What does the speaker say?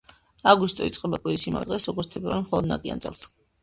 აგვისტო იწყება კვირის იმავე დღეს, როგორც თებერვალი მხოლოდ ნაკიან წელს.